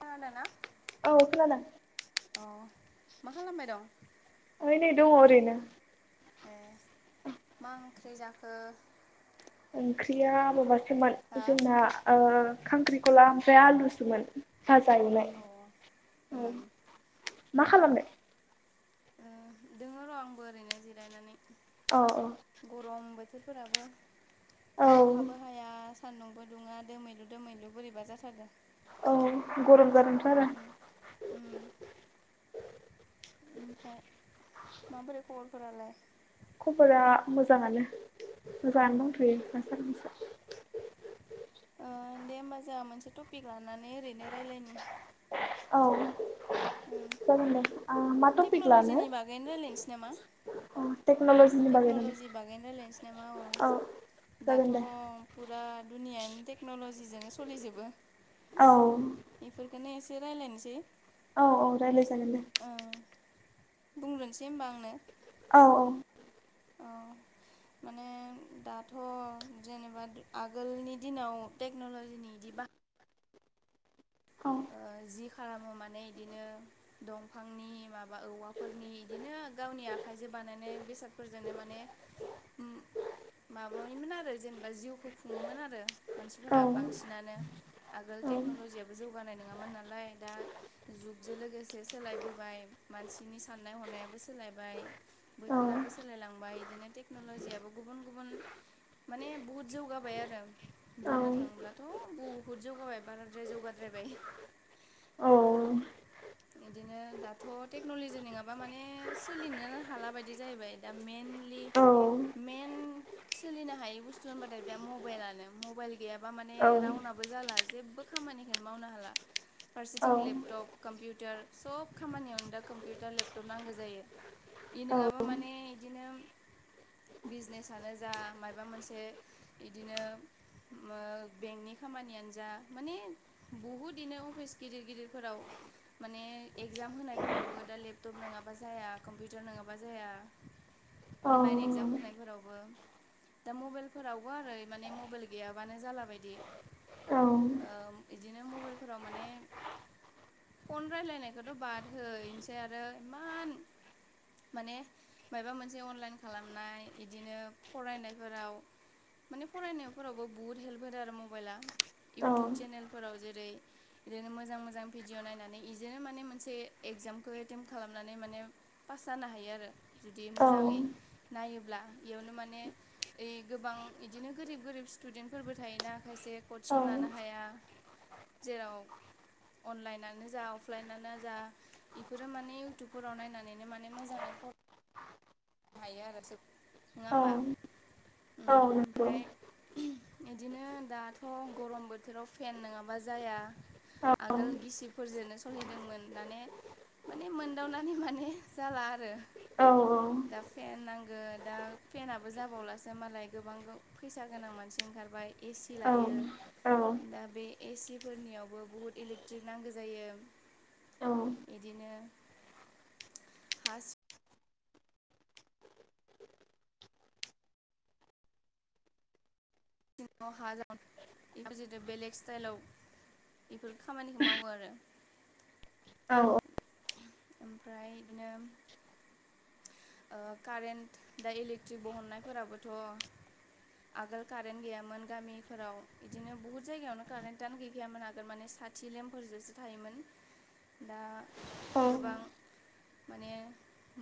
खोनादोंना औ खोनादों। अ' मा खालामबाय दं? ओइ नै दङ' ओरैनो। ए मा ओंख्रि जाखो? ओंख्रिया माबासोमोन हा जोंना ओ खांख्रि खला ओमफ्राय आलुसोमोन भाजा एवनाय अ औ। उम मा खालामनो? ओ दोङो र' आंबो ओरैनो जिरायनानै, औ गरम बोथोरफोराबो औ अखाबो हाया सान्दुंबो दुङा दोमैलु दोमैलु बोरैबा जाथारदों। औ गरम जादोंथ' आरो उम उम ओमफ्राय माबोरै खबरफोरालाय खबरा मोजाङानो उम मोजाङानो दंथ'यो दासाननैसो ओ दे होमबा जोंहा मोनसे टपिक लानानै ओरैनो रायलायनि औ उम जागोन दे ओ मा टपिक लानो टेक्न'ल'जिनि बागैनो रायज्लायनोसै नामा? औ टेक्न'लजिनि बागै नामा टेक्न'लजि बागैनो रायलायनोसै नामा औ जागोन दाथ'। दे रा दुनियायानो टेक्न'ल'जिजोंनो सोलिजोबो। औ। से रायलनोसै। औ औ रायलाय जागोन दे। बुंग्रोनोसै होनबा आंनो। औ औ। औ माने दाथ' जेनेबा आगोलनि दिनाव टेक्न'लजिनि बिदि बाहाय। औ। जि खालामो माने बिदिनो दंफांनि माबा औवाफोरनि बिदिनो गावनि आखायजों जे बानायनाय बेसादफोरजोंनो माने उम माबायोमोन आरो जेनेबा जिउखौ खुङोमोन आरो औ मानसिफोरा बांसिनानो आगोल औ टेक्न'लजियाबो जौ नाय नङामोन नालाय दा जुगजों लोगोसे सोलायबोबाय मानसिनि साननाय हनायाबो सो सोलायबाय बोथोराबो सोलायलांबाय बिदिनो टेक्न'ल'जियाबो गुबुन गुबुन माने बुहुद जौगाबाय आरो औ बुंनो थाङोब्लाथ' बुहुद जौगाबाय बाराद्राया जौगा ब्राय औ ओ इदिनो दाथ' टेक्नलजि नङाबा माने सोलिनो हाला बायदि जाहैबाय दा मेइन लि औ मेइन सोलिनो हायै बुस्थु होनबाथाय बे मबाइल गैयाबा माने औ राउनाबो जाला जेबो खामानिखोनो मावनो हाला फारसेथिं लेपटप कम्पिउटार सब खामानियावनो दा कम्पिउटार लेपटप नांगौ जायो। इ नङाबा माने इदिनो। बिजनेसानो जा माइबा मोनसे इदिनो मो बेंकनि खामानियानो जा माने बहुद इनो अफिस गिदिर गिदिरफोराव माने एगजाम होनायफोरावबो दा लेपटप नङा बा जाया कम्पिउटार नङाबा जाया अनलाइन एगजाम होनायफोरावबो दा मबाइलफोरावबो आरो माने मबाइल गैयाबानो जाला बायदि ओ इदिनो मबाइलफोराव माने फन रायलायनायखौथ' बाद हैनोसै आरो इमान माने माबा मोनसे अनलाइन खालामनाय बिदिनो फरायनायफोराव माने फरायनायफोरावबो बुहुत हेल्प होदो आरो मबाइला इउटुब चेनेल जेरै इदिनो मोजां मोजां भिडिअ नायनानै बिदिनो माने मोनसे एगजामखौ एथे खालामनानै माने फास जानो हायो आरो जुदि मोजाङै नायो ब्ला इयावनो माने ओइ गोबां बिदिनो गोरिब गोरिब स्टुदेन्टफोरबो थायोना खायसे कचिं लानो हाया जेराव अनलाइनानो जा अफलाइनानो जा इफोरो माने इयउटुबफोराव नायनानैनो माने मोजाङै फरायनो हायो आरो सोब नङा होमबा औ नंगौ बिदिनो दाथ' गरम बोथोराव फेन नङाबा जाया आगोल गिसिबफोरजोनो सलिदोंमोन माने माने मोनदावनानै माने जाला आरो दा फेन नांगो दा फेनाबो जाबावलासो मालाय गोबां गा फैसा गोनां मानसि ओंखारबाय ए सि लायो दा बे ए सि फोरनियावबो बुहुत इलेक्ट्रिक नांगौ जायो बिदिनो हा सिङाव हा जावनानै जुदि बेलेग स्टाइलाव बेफोर खामानिखौ मावो आरो औ ओमफ्राय इदिनो ओ कारेन्ट दा इलेक्ट्रिक बहननायफोराबोथ' आगोल कारेन्त गैयामोन गामिफोराव इदिनो बहुत जायगायावनो कारेन्टआनो गैखायामोन आगोल माने साथि लेमफोर जोसो थायोमोन दा गोबां माने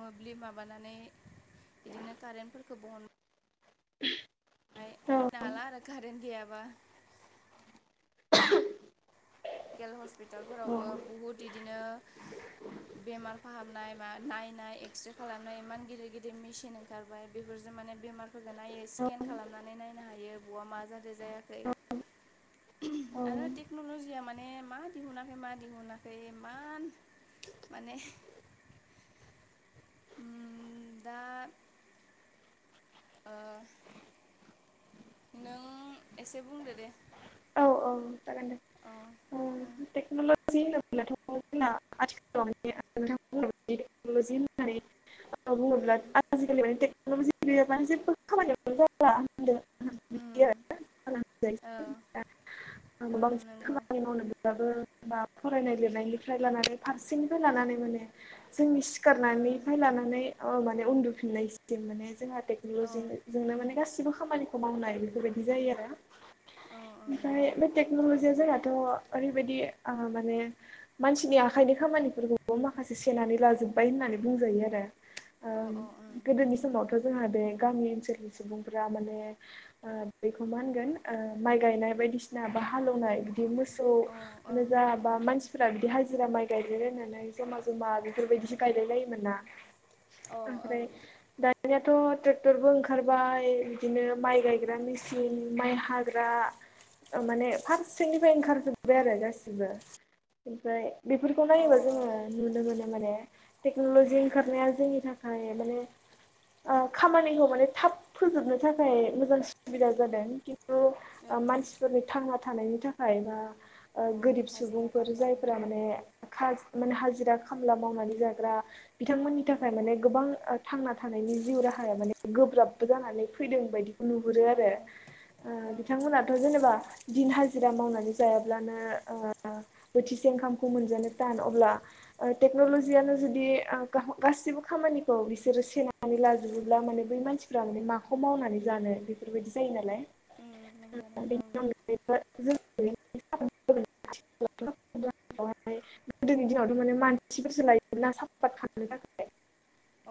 मोब्लिब माबानानै बिदिनो कारेन्टफोरखौ बोहन बाय दा हाला आरो खारेन गैयाबा लकेल हस्पिटालफोरावबो बहुत बिदिनो बेमार फाहामनाय मा नायनाय एक्स्रे खालामनाय इमान गिदिर गिदिर मेसिन ओंखारबाय बेफोर जों माने बेमारफोरफोरखौ नायो स्केन खालामनानै नायनो हायो बहा मा जादों मा जायाखै आरो टेक्न'ल'जिया मा ने मा दिहुनाखै मा दिहुनाखै इमान माने उम दा ओ नों एसे बुंदो दे औ औ जागोन दे औ ओ उम टेक्न'लजि होनो ब्लाथ' जोंना आथिखालाव दा नोंथां बुंनाय बादि लजि होन्नानै बुङोब्ला उम आजिखालि माने टेक्न'लजि गैयाबानो जेबो खामानियावनो जाया ह उम औ बियो [unintelligible] उम बांसिन नंगौ खामानि मावनो बेब्लाबो बा फरायनाय लिरनायनिफ्राय लानानै फारसेनिफ्राय लानानै माने जोंनि उम सिखारनानैफ्राय लानानै ओ माने उन्दुफिननायसिम माने जोंहा औ टेक्न'लजिमोन जों दा उम माने गासिबो खामानिखौ मावनाय बेफोरबायदि जायो आरो औ ओमफ्राय बे टेक्नलजिया जोंनााथ' ओरैबायदि ओ माने मानसिनि आखाइनि खामानि खामानिफोरखौबो माखासे सेनानै लाजोबबाय होननानै बुंजायो आरो ओ अ अ ओं गोदोनि नंगौ समावथ' जोंहा बे गामि ओनसोलनि सुबुंफोरा माने ओ बेखौ मा होनगोन ओ माइ गायनाय बायदिसिना बा हालेवनाय बिदि अ ओं मोसौनो ओं जा अ बा मानसिफोरा बिदि हाजि जिरा माइ गायलायलायनानै जमा जमा बेफोरबायदिसो गायलायलायोमोन ना ओं अ ओमफ्राय दानियाथ' ट्रेक्टरबो ओंखारबाय बिदिनो माइ गायग्रानि मिसिं माइ हाग्रा माने फारसेनिफ्राय ओंखारजोबबाय आरो गासिबो ओमफ्राय बेफोरखौ नायोबा ओं जोङो नुनो मोनो माने ओं टेक्न'लजि ओंखारनाया जोंनि थाखाय माने ओ खामानिखौ माने थाब फोजोबनो थाखाय मोजां सुबिदा जादों खिन औ थांना थानायनि थाखाय बा ओ गोरिब हाजिरा सुबुंफोर खामला जायफोरा माने ओम खाज माने हाजि जिरा खामला मावनानै जाग्रा बिथांमोननि थाखाय ओम माने गोबां ओ थांना थानायनि जिउ राहाया माने गोब्राबबो जानानै फैदों बायदिखौ नुहुरो अ आरो ओ ओं बिथांमोनाथ' नंगौ जेनेबा दिन हाजिरा मावनानै जायाब्लानो ओ बोथिसे ओंखामखौ मोनजानो थान अब्ला ओ ओम टेक्नलजियानो ओम जुदि गासिबो खामानिखौ बिसोरो सेनानै लाजोबोब्ला थारमाने बै मानसिफ्रा माने माखौ मावनानै जानो बेफोरबायदि जायो नालाय उम नंगौ [unintelligible] नंगौ गोदोनि दिनावथ' माने मानसिफोरसो लायोमोन ना साफात खानो थाखाय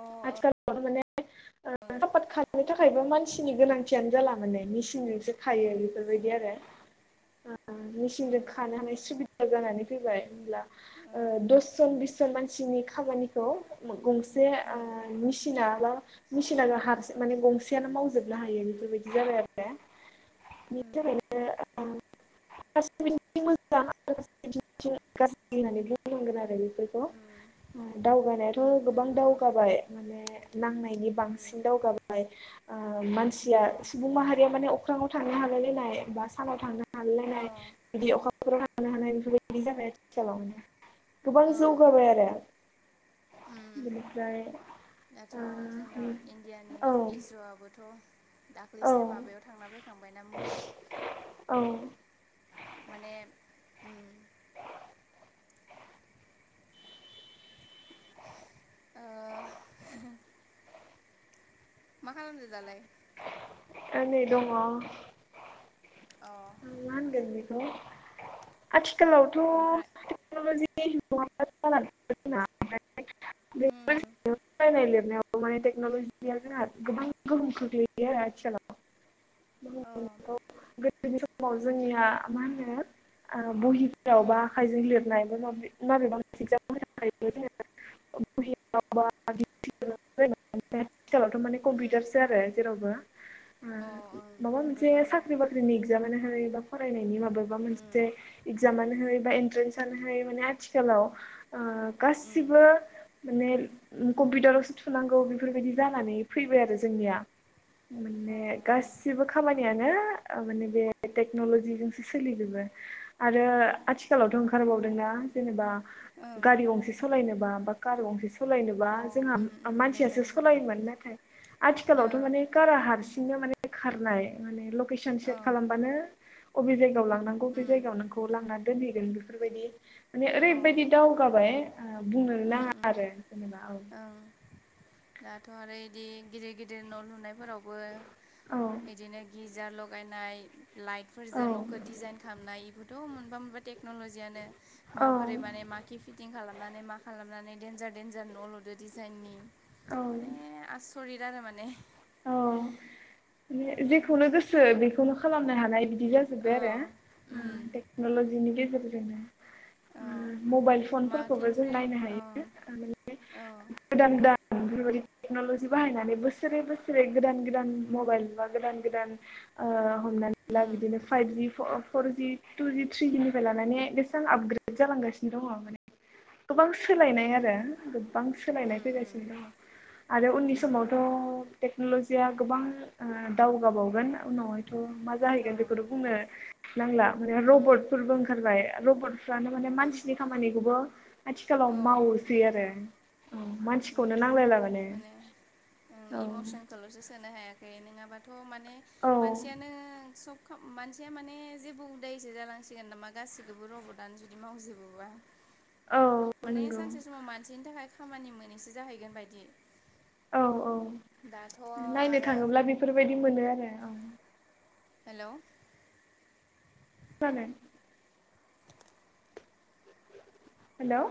ओं अ आथिखालाव माने ओं आबाद खालामनो थाखायबो मानसिनि गोनांथियानो जाला माने मेसिनजोंसो खायो ओम बेफोरबायदि आरो [inaudible] मेसिनजों ओम खानो हानाय सुबिदा जानानै फैबाय होनब्ला ओं दस जन बिस जन मानसिनि खामानिखौ गंसे ओ ओं ओम मेसिना बा मेसिना हार माने गंसेयानो मावजोबनो हायो बेफोरबायदि जाबाय आरो दा बेनि ओम थाखायनो ओम [unintelligible] [unintelligible] होननानै बुंनांगोन आरो बेफोरखौ ओम दावगानायाथ' गोबां नंगौ दाउ माने नांनायनि ओं ओम बांसिन दावगाबाय ओ मानसिया अ सुबुं माहारिया माने अख्राङाव थांनो हालायलायनाय बा सानाव थांनाय अ हालायलायनाय बिदि अखाफोराव थांनो हानाय बेफोरबायदि जाबाय आरो आथिखालाव गोबां अ जौगाबाय आरो बिनिफ्राय ओ दाथ' जोंना इण्डियानि ओ इजर'आबोथ' औ दाखलैसो माबायाव थांना फैखांबायना मुनाव औ माने उम ओ मा खालामदों दालाय? एनै दङ अ मा होनगोन बेखौ आथिखालावथ' ओमफ्राय टेक्नलजि बे नङाब्ला उम [unintelligible] फरायनाय लिरनायाव माने टेक्न'लजि जोंहा गोबां गोहोम खोख्लैयो आरो आथिखालाव अ [unintelligible] गोदोनि समाव जोंनिया मा होनो ओ बहिफोराव उम बा आखाइजों लिरनाय माबेबा मोनसे एगजाम होनो [unintelligible] जोङो [unintelligible] आथिखालावथ' माने कम्पिउटारसो आरो जेरावबो ओ अ ओं माबा मोनसे नोंगौथ' आरो साख्रि बाख [unintelligible] बा फरायनायनि माबा उम मोनसे [unintelligible] [unintelligible] इकजामानो है बा एन्ट्रेन्स आनो है माने आथिखालाव ओ उम गासिबो ने कम्पिउटारावसो थुनांगौ बेफोरबायदि जानानै फैबाय आरो जोंनिया माने अ उम गासिबो खामानियानो माने बे टेक्न'ल'जिजोंसो सोलिजोबो आरो आथिखालावथ' ओंखारबावदोंना जेनेबा ओं गारि गंसे सालायनोबा बा कार गंसे सालायनोबा अ जोंहा उम उम नोंगो मानसियासो नोंगो सालायोमोन नाथाय ओ आथिखालावथ' माने खारा हारसि हारसिंनो माने खारनाय माने लकेसन ओ सेर खालामबानो अबे जायगायाव लांनांगौ बबे उम जायगायाव नोंखौ लांना दोनहैगोन बेफोरबायदि माने अ ओरैबायदि दावगाबाय बुंनोनो उम नाङा उम आरो [unintelligible] औ ओं दाथ' आरो इदि गिदिर गिदिर न' लुनायफोराव बो औ बिदिनो गिजार लगायनाय लाइटफोरजों न'खौ डिजाइन खालामनाय इफोरथ' मोनबा मोनबा टेक्न'ल'जियानो औ माबोरै माने माखि फिटिं खालामनानै मा खालामनानै देनजार दडन्जार न'लुदो डिजाइननि औ माने [unintelligible] आरो माने औ जेखौनो गोसो बेखौनो खालामनो हानाय बिद बिदि ओ औ जाजोब्बाय आरो उम टेक्न'लजिनि गेजेरजोंनो औ मबाइल फनफोरखौबो जों माखिनिफ्राय नायनो औ हायो [unintelligible] औ गोदान गोदान बेफोरबायदि टेक्नलजि बाहायनानै बोसोरे बोसोरे गोदान गोदान मबाइल बा गोदान गोदान ओ हमनानै ला उम बिदिनो फाइभजि फरजि टुजि थ्रिनिफ्राय लानानै बेसेां आपग्रेद जालांगासिनो दङ माने गोबां सोलायनाय आरो गोबां सोलायनाय उम उम फैगासिनो दं आरो उननि उम समावथ' टेक्न'लजिया गोबां दावगाबावगोन उनावहायथ' मा औ जाहैगोन बेखौनो बुङनो नांला माने उम रबटफोरबो ओंखारबाय रबटफ्रानो माने मानसिनि खामानिखौबो आथिखालाव औ मावोसै उम आरो औ मानसिखौनो उम नांलायलाबानो माने इमसनखौल'सो सोनो हायाखै नङाबाथ' माने औ मानसियानो सब मानसिया माने जेबो उदायसो जालांसिगोन नामा गाससिखौबो रबटआनो जुदि मावजोबोबा औ माने नंगौ सानसे समाव मानसिनि थाखाय खामानि मोनैसो जाहैगोन बायदि औ औ दाथ' आरो बेबायदि मोनो आरो आं हेल' जागोन हेल'